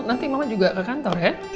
nanti mama juga ke kantor ya